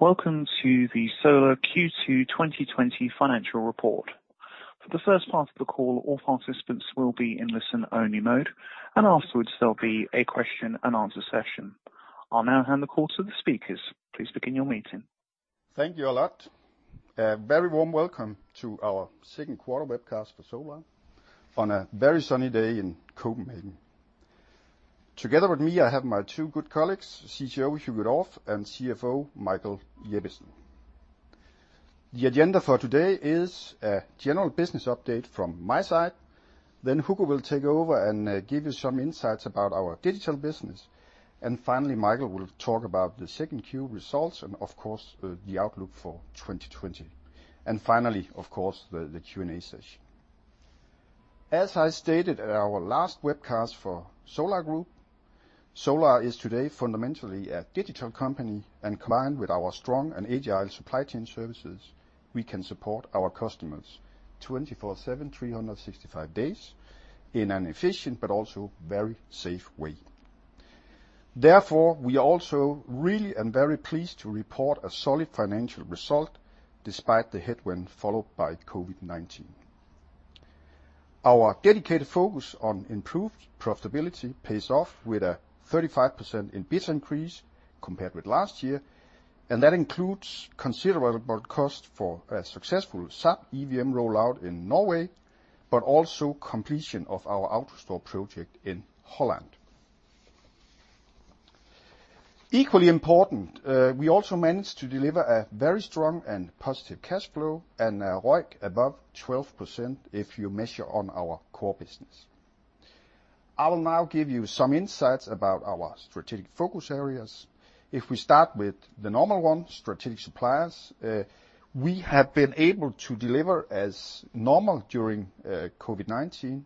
Welcome to the Solar Q2 2020 financial report. For the first part of the call, all participants will be in listen-only mode, and afterwards, there'll be a question-and-answer session. I'll now hand the call to the speakers. Thank you a lot. A very warm welcome to our second quarter webcast for Solar on a very sunny day in Copenhagen. Together with me, I have my two good colleagues, CTO Hugo Dorph and CFO Michael Jeppesen. The agenda for today is a general business update from my side. Hugo will take over and give you some insights about our digital business. Finally, Michael will talk about the second Q results and of course, the outlook for 2020. Finally, of course, the Q&A session. As I stated at our last webcast for Solar Group, Solar is today fundamentally a digital company and combined with our strong and agile supply chain services, we can support our customers 24/7, 365 days in an efficient but also very safe way. Therefore, we also really am very pleased to report a solid financial result despite the headwind followed by COVID-19. Our dedicated focus on improved profitability pays off with a 35% EBIT increase compared with last year, and that includes considerable cost for a successful SAP EWM rollout in Norway, but also completion of our AutoStore project in Holland. Equally important, we also managed to deliver a very strong and positive cash flow and a ROIC above 12% if you measure on our core business. I will now give you some insights about our strategic focus areas. If we start with the normal one, strategic suppliers, we have been able to deliver as normal during COVID-19,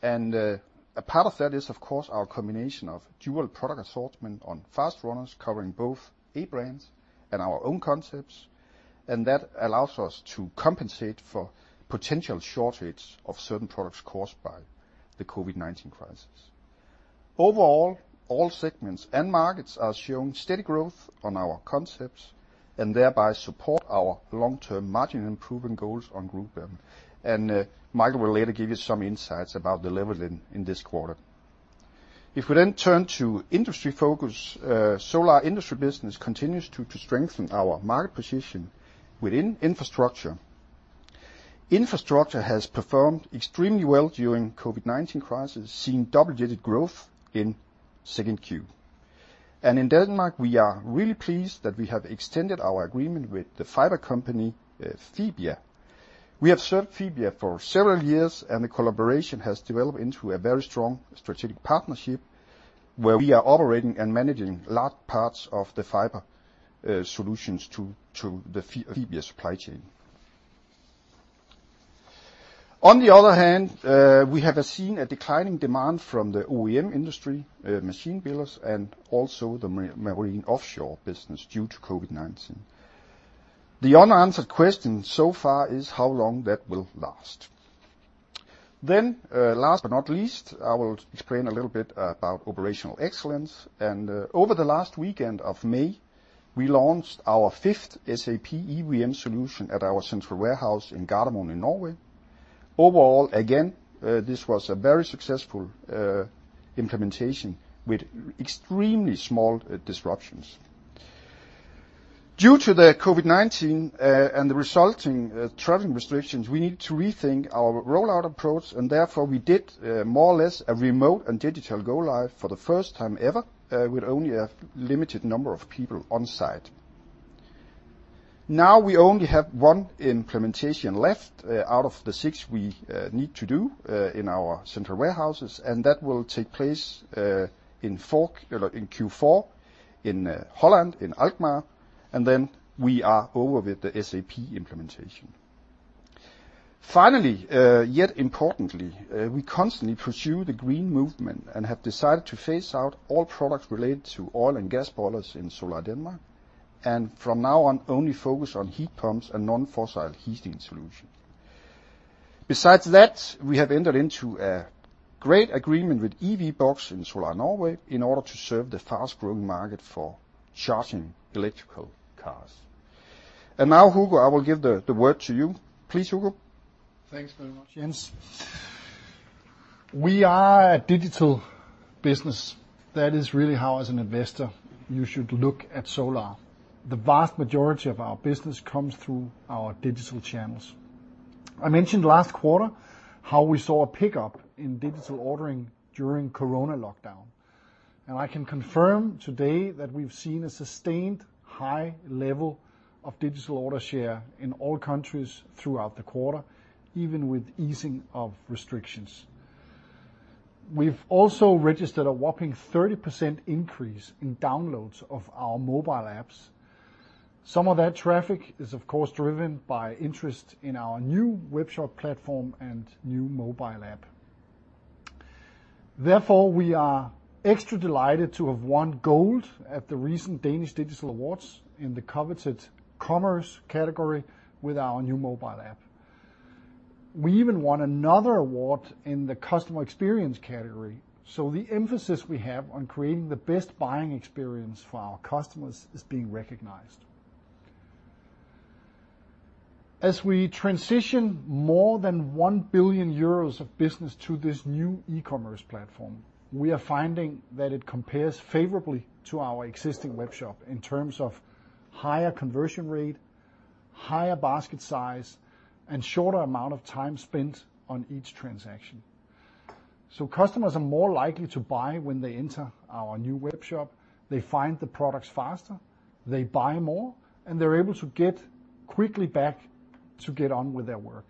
and a part of that is, of course, our combination of dual product assortment on fast runners covering both A brands and our own concepts, and that allows us to compensate for potential shortage of certain products caused by the COVID-19 crisis. Overall, all segments and markets are showing steady growth on our concepts, and thereby support our long-term margin improvement goals on group level. Michael will later give you some insights about delivering in this quarter. If we then turn to industry focus, Solar industry business continues to strengthen our market position within infrastructure. Infrastructure has performed extremely well during COVID-19 crisis, seeing double-digit growth in second Q. In Denmark, we are really pleased that we have extended our agreement with the fiber company, Fibia. We have served Fibia for several years, and the collaboration has developed into a very strong strategic partnership where we are operating and managing large parts of the fiber solutions to the Fibia supply chain. On the other hand, we have seen a declining demand from the OEM industry, machine builders, and also the marine offshore business due to COVID-19. The unanswered question so far is how long that will last. Last but not least, I will explain a little bit about operational excellence. Over the last weekend of May, we launched our fifth SAP EWM solution at our central warehouse in Gardermoen in Norway. Overall, again, this was a very successful implementation with extremely small disruptions. Due to the COVID-19, and the resulting traveling restrictions, we need to rethink our rollout approach, and therefore we did more or less a remote and digital go live for the first time ever, with only a limited number of people on-site. Now we only have one implementation left out of the six we need to do in our central warehouses, and that will take place in Q4 in Holland, in Alkmaar, and then we are over with the SAP implementation. Finally, yet importantly, we constantly pursue the green movement and have decided to phase out all products related to oil and gas boilers in Solar Danmark. From now on, only focus on heat pumps and non-fossil heating solution. Besides that, we have entered into a great agreement with EVBox in Solar Norge in order to serve the fast-growing market for charging electrical cars. Now, Hugo, I will give the word to you. Please, Hugo. Thanks very much, Jens. We are a digital business. That is really how, as an investor, you should look at Solar. The vast majority of our business comes through our digital channels. I mentioned last quarter how we saw a pickup in digital ordering during corona lockdown, and I can confirm today that we've seen a sustained high level of digital order share in all countries throughout the quarter, even with easing of restrictions. We've also registered a whopping 30% increase in downloads of our mobile apps. Some of that traffic is of course, driven by interest in our new web shop platform and new mobile app. Therefore, we are extra delighted to have won gold at the recent Danish Digital Awards in the coveted commerce category with our new mobile app. We even won another award in the customer experience category. The emphasis we have on creating the best buying experience for our customers is being recognized. As we transition more than 1 billion euros of business to this new e-commerce platform, we are finding that it compares favorably to our existing webshop in terms of higher conversion rate, higher basket size, and shorter amount of time spent on each transaction. Customers are more likely to buy when they enter our new webshop. They find the products faster, they buy more, and they're able to get quickly back to get on with their work.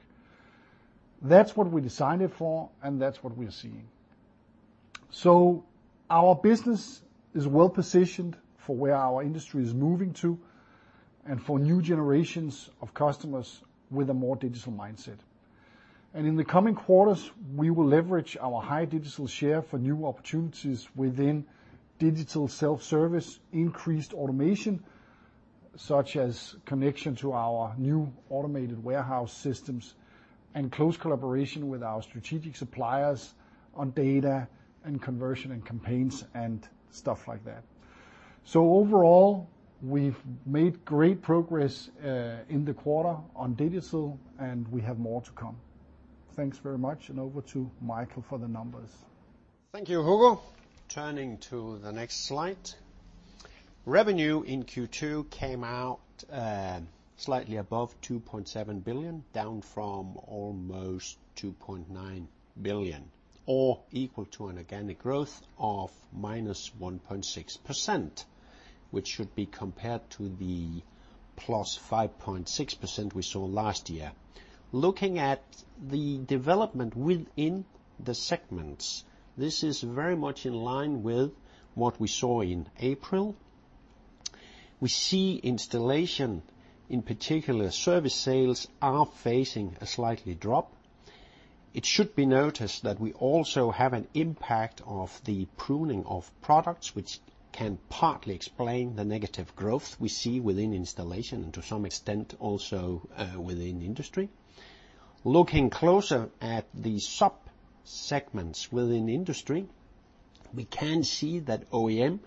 That's what we designed it for, and that's what we're seeing. Our business is well-positioned for where our industry is moving to and for new generations of customers with a more digital mindset. In the coming quarters, we will leverage our high digital share for new opportunities within digital self-service, increased automation, such as connection to our new automated warehouse systems, and close collaboration with our strategic suppliers on data and conversion, campaigns, and stuff like that. Overall, we've made great progress in the quarter on digital, and we have more to come. Thanks very much, and over to Michael for the numbers. Thank you, Hugo. Turning to the next slide. Revenue in Q2 came out slightly above 2.7 billion, down from almost 2.9 billion, or equal to an organic growth of -1.6%, which should be compared to the +5.6% we saw last year. Looking at the development within the segments, this is very much in line with what we saw in April. We see installation, in particular service sales are facing a slight drop. It should be noticed that we also have an impact of the pruning of products, which can partly explain the negative growth we see within installation and to some extent also within industry. Looking closer at the sub-segments within industry, we can see that OEM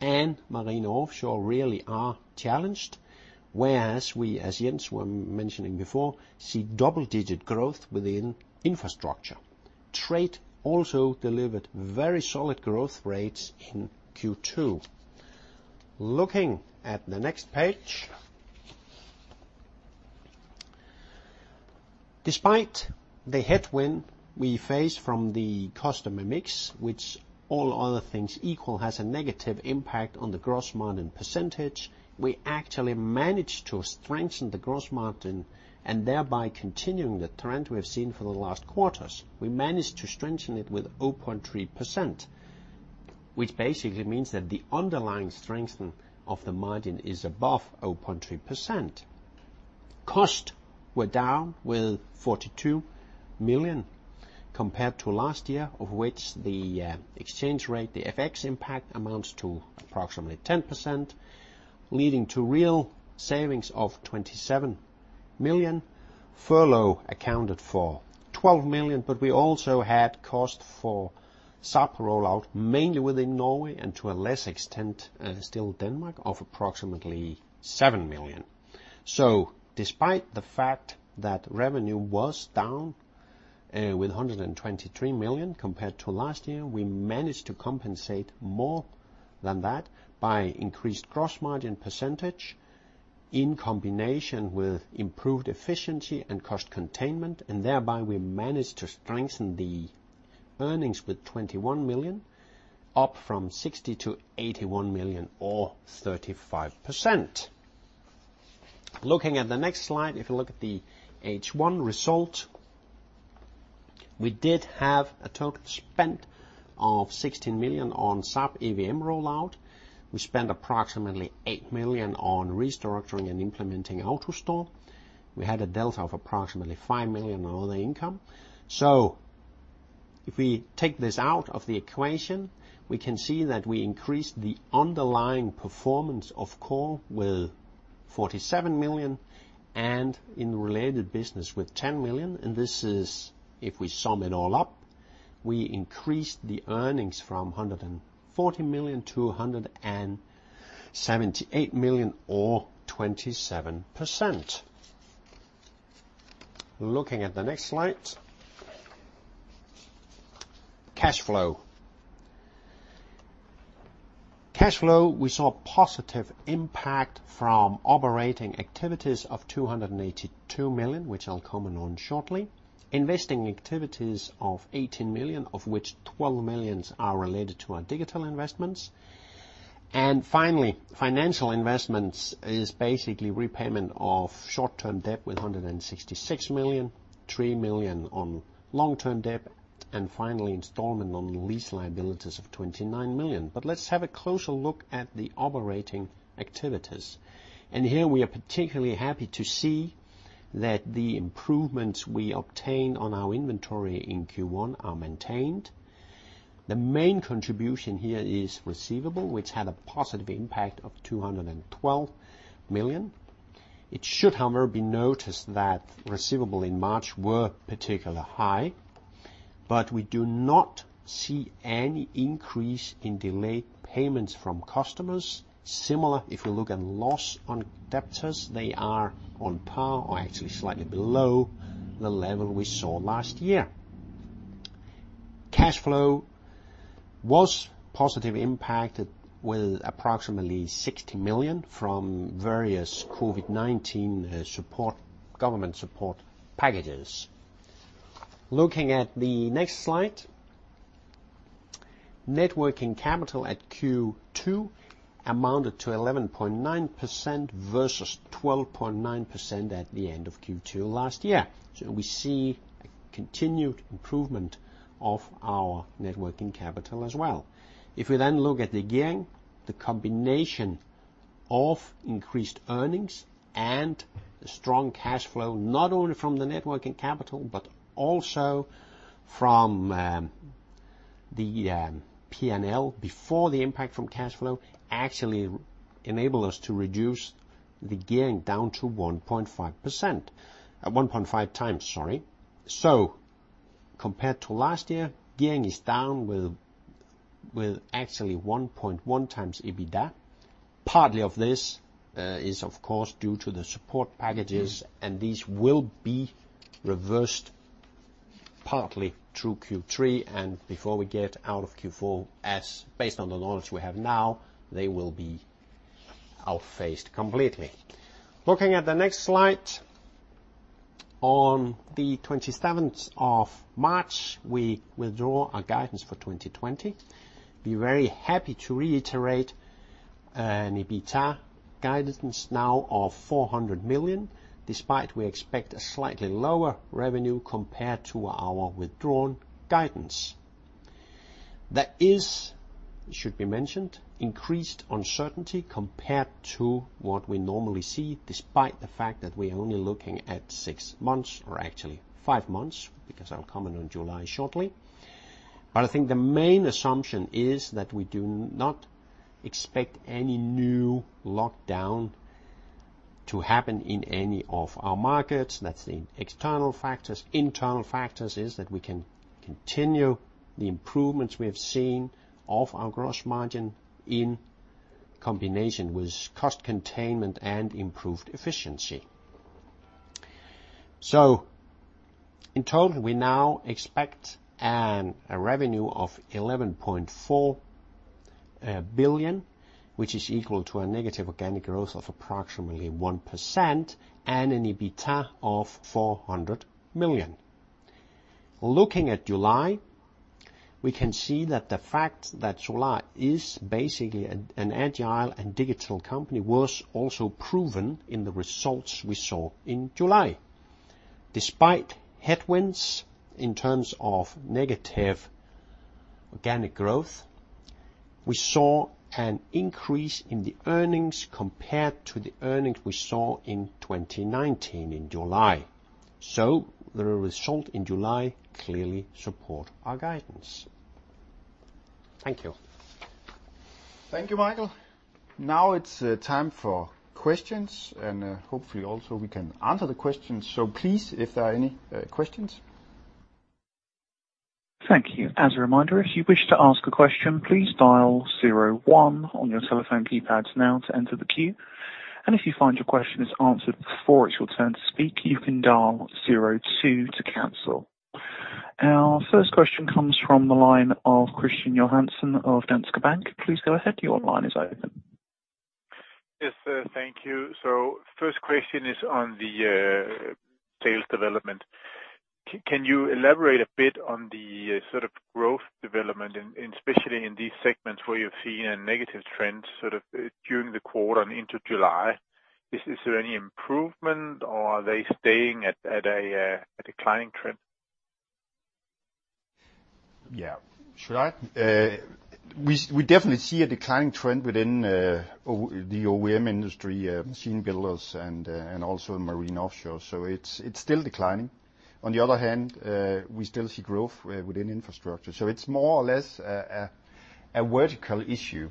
and marine offshore really are challenged, whereas we, as Jens mentioned before, see double-digit growth within infrastructure. Trade also delivered very solid growth rates in Q2. Looking at the next page. Despite the headwind we face from the customer mix, which all other things equal has a negative impact on the gross margin %, we actually managed to strengthen the gross margin and thereby continuing the trend we have seen for the last quarters. We managed to strengthen it with 0.3%, which basically means that the underlying strengthen of the margin is above 0.3%. Costs were down with 42 million compared to last year, of which the exchange rate, the FX impact, amounts to approximately 10%, leading to real savings of 27 million. Furlough accounted for 12 million, we also had cost for SAP rollout, mainly within Norway and to a lesser extent still Denmark, of approximately 7 million. Despite the fact that revenue was down with 123 million compared to last year, we managed to compensate more than that by increased gross margin % in combination with improved efficiency and cost containment, and thereby we managed to strengthen the earnings with 21 million, up from 60 million to 81 million or 35%. Looking at the next slide, if you look at the H1 result, we did have a total spend of 16 million on SAP EWM rollout. We spent approximately 8 million on restructuring and implementing AutoStore. We had a delta of approximately 5 million in other income. If we take this out of the equation, we can see that we increased the underlying performance of core with 47 million and in related business with 10 million. This is if we sum it all up, we increased the earnings from 140 million to 178 million or 27%. Looking at the next slide. Cash flow. Cash flow, we saw a positive impact from operating activities of 282 million, which I'll comment on shortly. Investing activities of 18 million, of which 12 million are related to our digital investments. Finally, financial investments is basically repayment of short-term debt with 166 million, 3 million on long-term debt, and finally installment on lease liabilities of 29 million. Let's have a closer look at the operating activities. Here we are particularly happy to see that the improvements we obtained on our inventory in Q1 are maintained. The main contribution here is receivable, which had a positive impact of 212 million. It should, however, be noticed that receivable in March were particularly high, but we do not see any increase in delayed payments from customers. Similar, if we look at loss on debtors, they are on par, or actually slightly below the level we saw last year. Cash flow was positively impacted with approximately 60 million from various COVID-19 government support packages. Looking at the next slide. Net working capital at Q2 amounted to 11.9% versus 12.9% at the end of Q2 last year. We see a continued improvement of our net working capital as well. If we then look at the gearing, the combination of increased earnings and the strong cash flow, not only from the net working capital, but also from the P&L before the impact from cash flow actually enable us to reduce the gearing down to 1.5%. 1.5 times, sorry. Compared to last year, gearing is down with actually 1.1 times EBITDA. Partly of this is, of course, due to the support packages, and these will be reversed partly through Q3 and before we get out of Q4, as based on the knowledge we have now, they will be outphased completely. Looking at the next slide. On the 27th of March, we withdraw our guidance for 2020. Be very happy to reiterate an EBITDA guidance now of 400 million, despite we expect a slightly lower revenue compared to our withdrawn guidance. There is, should be mentioned, increased uncertainty compared to what we normally see, despite the fact that we're only looking at six months, or actually five months, because I'll comment on July shortly. I think the main assumption is that we do not expect any new lockdown to happen in any of our markets. That's the external factors. Internal factors is that we can continue the improvements we have seen of our gross margin in combination with cost containment and improved efficiency. In total, we now expect a revenue of 11.4 billion, which is equal to a negative organic growth of approximately 1% and an EBITDA of 400 million. Looking at July, we can see that the fact that Solar is basically an agile and digital company was also proven in the results we saw in July. Despite headwinds in terms of negative organic growth, we saw an increase in the earnings compared to the earnings we saw in 2019 in July. The result in July clearly support our guidance. Thank you. Thank you, Michael. Now it's time for questions and hopefully also we can answer the questions. Please, if there are any questions. Thank you. As a reminder, if you wish to ask a question, please dial zero one on your telephone keypads now to enter the queue. If you find your question is answered before it's your turn to speak, you can dial zero two to cancel. Our first question comes from the line of Christian Johansen of Danske Bank. Please go ahead. Your line is open. Yes, thank you. First question is on the sales development. Can you elaborate a bit on the sort of growth development, and especially in these segments where you're seeing a negative trend sort of during the quarter and into July? Is there any improvement or are they staying at a declining trend? Yeah. Should I? We definitely see a declining trend within the OEM industry, machine builders, and also in marine offshore. It's still declining. On the other hand, we still see growth within infrastructure. It's more or less a vertical issue.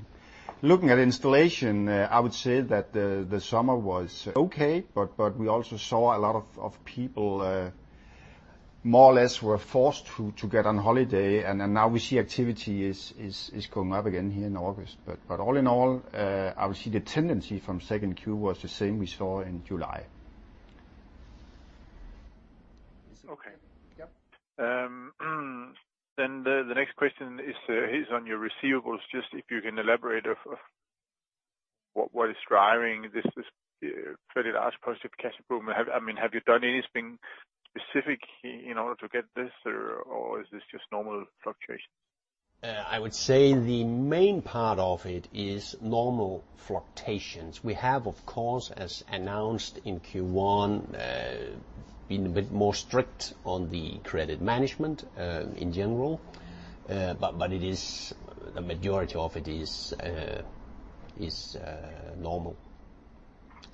Looking at installation, I would say that the summer was okay, but we also saw a lot of people more or less were forced to get on holiday. Now we see activity is going up again here in August. All in all, I would say the tendency from second Q was the same we saw in July. Is it okay? Yep. The next question is on your receivables. Just if you can elaborate of what is driving this fairly large positive cash flow. Have you done anything specific in order to get this, or is this just normal fluctuations? I would say the main part of it is normal fluctuations. We have, of course, as announced in Q1, been a bit more strict on the credit management in general. The majority of it is normal.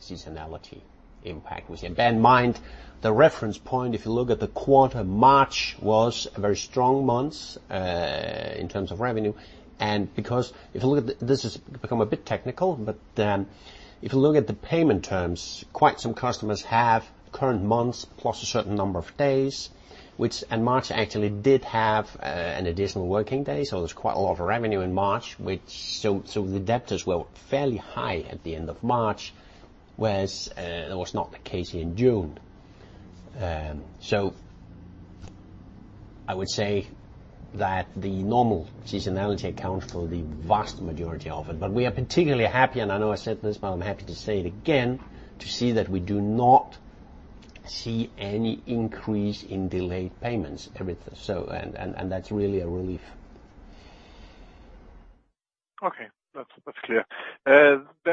Seasonality impact we see. Bear in mind, the reference point, if you look at the quarter, March was a very strong month in terms of revenue. Because this has become a bit technical, but if you look at the payment terms, quite some customers have current months plus a certain number of days, and March actually did have an additional working day. There's quite a lot of revenue in March. The debtors were fairly high at the end of March, whereas that was not the case in June. I would say that the normal seasonality accounts for the vast majority of it. We are particularly happy, and I know I said this, but I'm happy to say it again, to see that we do not see any increase in delayed payments. That's really a relief. Okay. That's clear.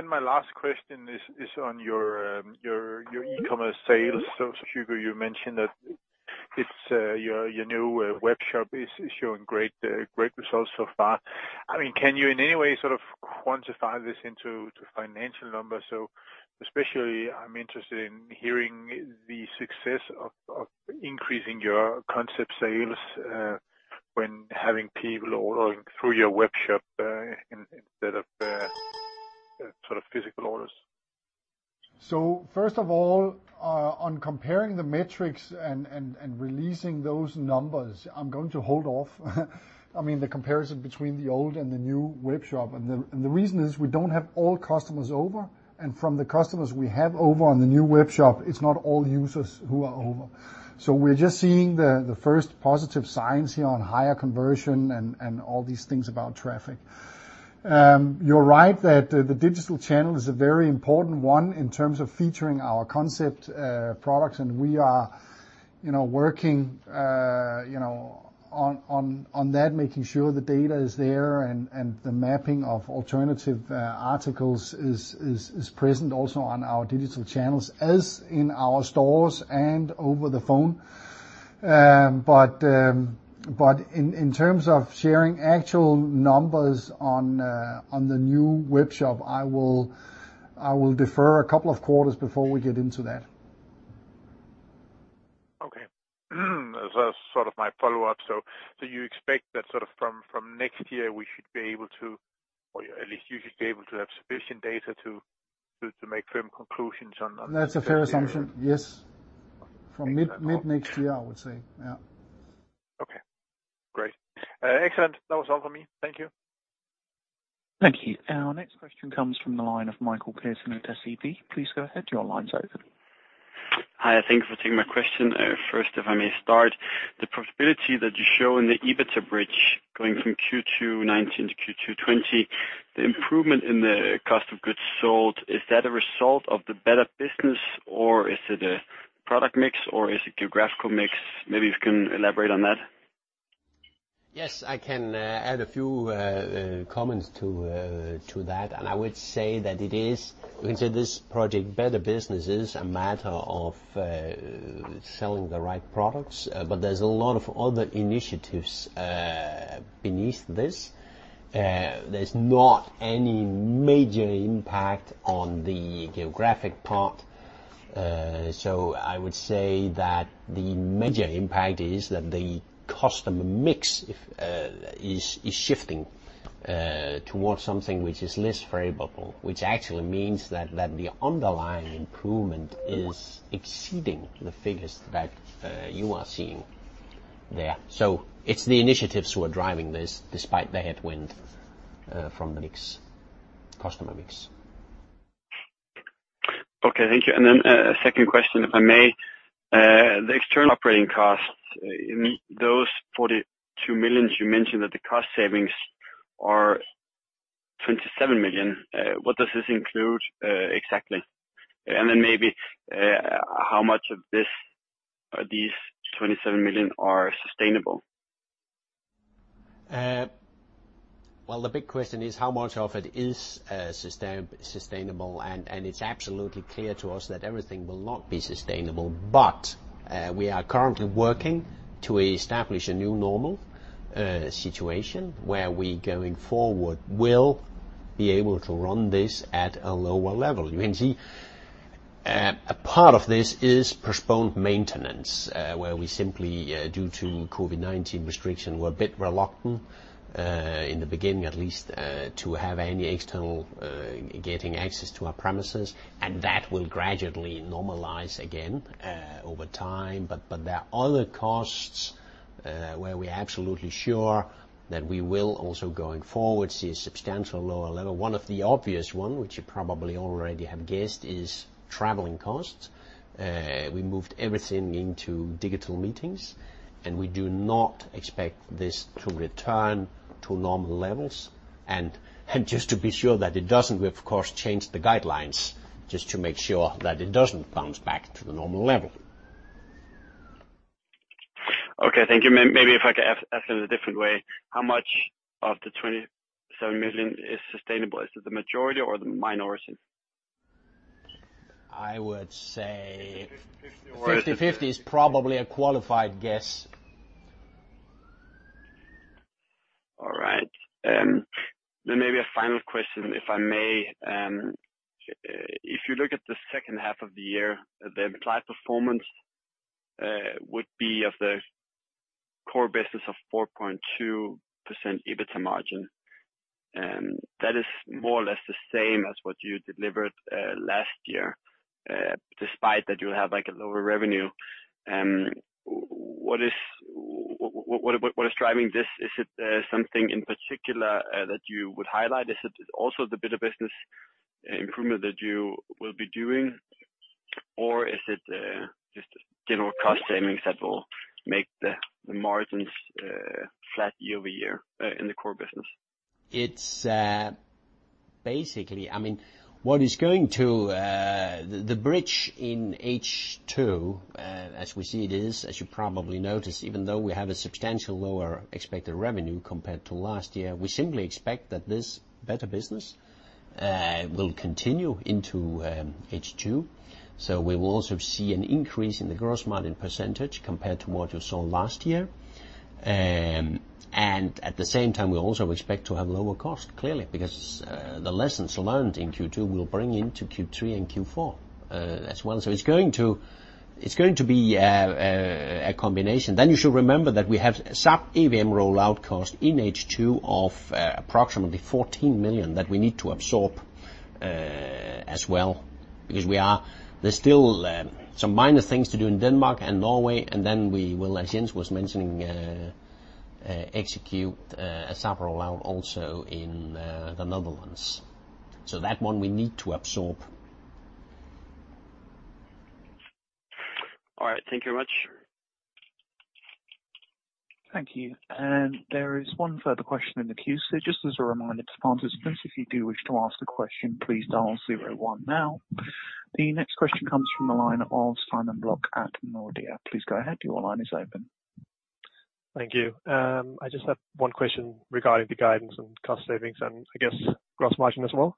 My last question is on your e-commerce sales. Hugo, you mentioned that your new webshop is showing great results so far. Can you in any way quantify this into financial numbers? Especially I'm interested in hearing the success of increasing your concept sales, when having people ordering through your webshop, instead of physical orders. First of all, on comparing the metrics and releasing those numbers, I'm going to hold off the comparison between the old and the new webshop. The reason is we don't have all customers over, and from the customers we have over on the new webshop, it's not all users who are over. We're just seeing the first positive signs here on higher conversion and all these things about traffic. You're right that the digital channel is a very important one in terms of featuring our concept products, and we are working on that, making sure the data is there and the mapping of alternative articles is present also on our digital channels, as in our stores and over the phone. In terms of sharing actual numbers on the new webshop, I will defer a couple of quarters before we get into that. Okay. As sort of my follow-up, you expect that from next year, we should be able to, or at least you should be able to have sufficient data to make firm conclusions? That's a fair assumption. Yes. From mid next year, I would say. Yeah. Okay. Great. Excellent. That was all for me. Thank you. Thank you. Our next question comes from the line of Mikael Petersen at SEB. Please go ahead. Your line's open. Hi, thank you for taking my question. First, if I may start, the profitability that you show in the EBITDA bridge going from Q2 2019 to Q2 2020, the improvement in the cost of goods sold, is that a result of the Better Business, or is it a product mix, or is it geographical mix? Maybe you can elaborate on that. Yes, I can add a few comments to that. I would say that it is. We can say this project, Better Business, is a matter of selling the right products. There's a lot of other initiatives beneath this. There's no any major impact on the geographic part. I would say that the major impact is that the customer mix is shifting towards something which is less variable. Which actually means that the underlying improvement is exceeding the figures that you are seeing there. It's the initiatives who are driving this despite the headwind from the customer mix. Okay, thank you. A second question, if I may. The external operating costs, in those 42 million, you mentioned that the cost savings are 27 million. What does this include exactly? Maybe how much of these 27 million are sustainable? Well, the big question is how much of it is sustainable. It's absolutely clear to us that everything will not be sustainable. We are currently working to establish a new normal situation where we, going forward, will be able to run this at a lower level. You can see a part of this is postponed maintenance, where we simply, due to COVID-19 restriction, were a bit reluctant, in the beginning at least, to have any external getting access to our premises. That will gradually normalize again over time. There are other costs where we're absolutely sure that we will also, going forward, see a substantial lower level. One of the obvious one, which you probably already have guessed, is traveling costs. We moved everything into digital meetings. We do not expect this to return to normal levels. Just to be sure that it doesn't, we, of course, changed the guidelines just to make sure that it doesn't bounce back to the normal level. Thank you. If I could ask in a different way, how much of the 27 million is sustainable? Is it the majority or the minority? I would say- 50/50 50/50 is probably a qualified guess. Maybe a final question, if I may. If you look at the second half of the year, the implied performance would be of the core business of 4.2% EBITDA margin. That is more or less the same as what you delivered last year, despite that you have a lower revenue. What is driving this? Is it something in particular that you would highlight? Is it also the Better Business improvement that you will be doing? Is it just general cost savings that will make the margins flat year-over-year in the core business? What is going to the bridge in H2, as we see it is, as you probably notice, even though we have a substantial lower expected revenue compared to last year, we simply expect that this Better Business will continue into H2. We will also see an increase in the gross margin % compared to what you saw last year. At the same time, we also expect to have lower costs, clearly, because the lessons learned in Q2 will bring into Q3 and Q4 as well. It's going to be a combination. You should remember that we have SAP EWM rollout costs in H2 of approximately 14 million that we need to absorb as well, because there's still some minor things to do in Denmark and Norway. Then we will, as Jens was mentioning, execute a SAP rollout also in the Netherlands. That one we need to absorb. All right. Thank you very much. Thank you. There is one further question in the queue. Just as a reminder to participants, if you do wish to ask a question, please dial 01 now. The next question comes from the line of Simon Block at Nordea. Please go ahead. Your line is open. Thank you. I just have one question regarding the guidance and cost savings and I guess gross margin as well.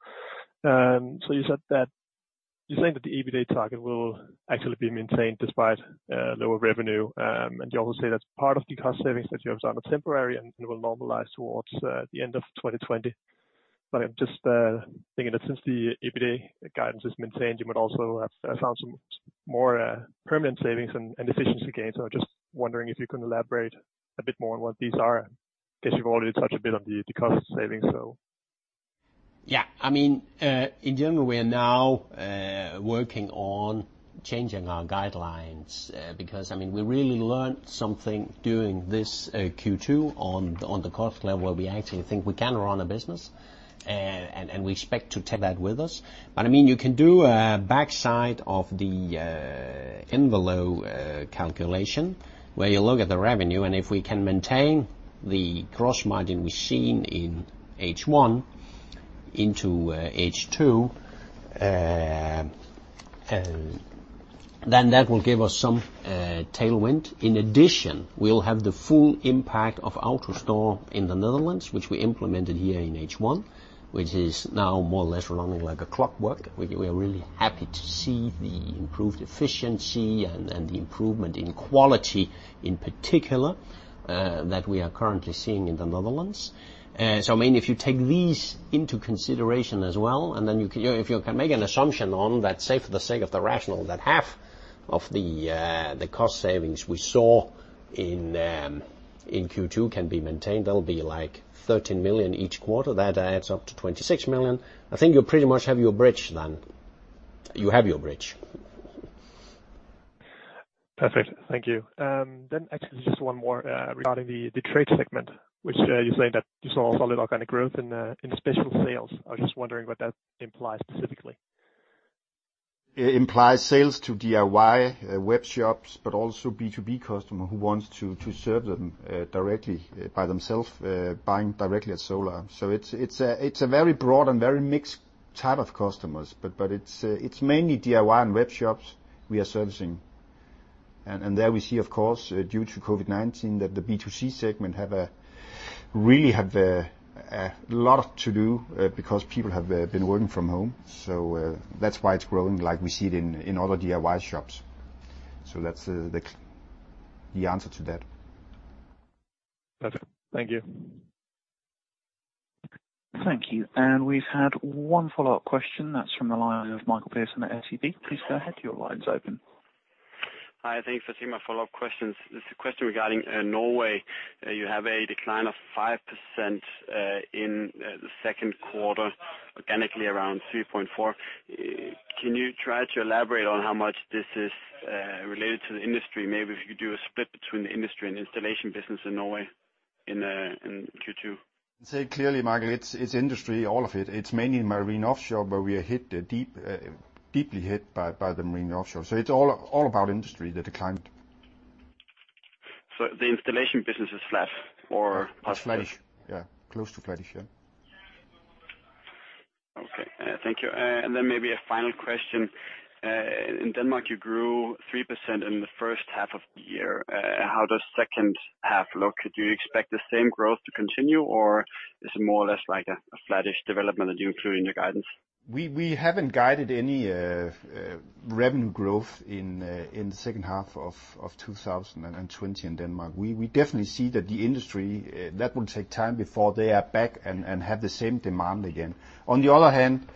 You're saying that the EBITDA target will actually be maintained despite lower revenue. You also say that part of the cost savings that you have done are temporary and will normalize towards the end of 2020. I'm just thinking that since the EBITDA guidance is maintained, you would also have found some more permanent savings and efficiency gains. I'm just wondering if you can elaborate a bit more on what these are. I guess you've already touched a bit on the cost savings. In general, we are now working on changing our guidelines because we really learned something during this Q2 on the cost level. We actually think we can run a business, and we expect to take that with us. You can do a backside of the envelope calculation, where you look at the revenue, and if we can maintain the gross margin we've seen in H1 into H2, then that will give us some tailwind. We'll have the full impact of AutoStore in the Netherlands, which we implemented here in H1, which is now more or less running like a clockwork. We are really happy to see the improved efficiency and the improvement in quality in particular, that we are currently seeing in the Netherlands. If you take these into consideration as well, and then if you can make an assumption on that, say for the sake of the rationale, that half of the cost savings we saw in Q2 can be maintained, that'll be like 13 million each quarter. That adds up to 26 million. I think you pretty much have your bridge then. You have your bridge. Perfect. Thank you. Actually just one more regarding the trade segment, which you're saying that you saw solid organic growth in special sales. I was just wondering what that implies specifically. It implies sales to DIY web shops, but also B2B customers who want to serve them directly by themselves, buying directly at Solar. It's a very broad and very mixed type of customers, but it's mainly DIY and web shops we are servicing. There we see, of course, due to COVID-19, that the B2C segment really has a lot to do because people have been working from home. That's why it's growing like we see it in other DIY shops. That's the answer to that. Perfect. Thank you. Thank you. We've had one follow-up question, that's from the line of Mikael Petersen at SEB. Please go ahead. Your line's open. Hi. Thanks for taking my follow-up questions. This is a question regarding Norway. You have a decline of 5% in the second quarter, organically around 3.4%. Can you try to elaborate on how much this is related to the industry? Maybe if you do a split between the industry and installation business in Norway in Q2. Say it clearly, Michael, it's industry, all of it. It's mainly marine offshore, but we are deeply hit by the marine offshore. It's all about industry, the decline. The installation business is flat. It's flattish. Yeah. Close to flattish. Yeah. Okay. Thank you. Then maybe a final question. In Denmark, you grew 3% in the first half of the year. How does second half look? Do you expect the same growth to continue, or is it more or less like a flattish development that you include in your guidance? We haven't guided any revenue growth in the second half of 2020 in Denmark. We definitely see that the industry, that will take time before they are back and have the same demand again. On the other hand,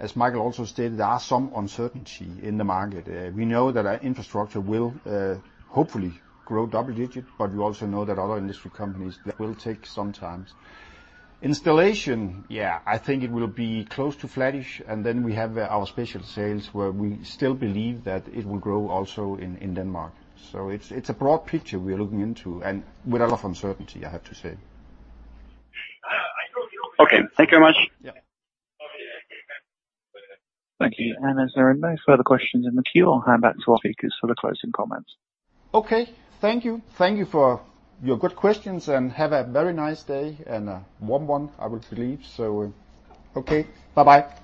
as Michael also stated, there are some uncertainty in the market. We know that our infrastructure will hopefully grow double-digit. We also know that other industry companies, that will take some time. Installation, yeah, I think it will be close to flattish. We have our special sales where we still believe that it will grow also in Denmark. It's a broad picture we are looking into, with a lot of uncertainty, I have to say. Okay. Thank you very much. Yeah. Thank you. As there are no further questions in the queue, I'll hand back to our speakers for the closing comments. Okay. Thank you. Thank you for your good questions, and have a very nice day, and a warm one, I would believe. Okay. Bye-bye.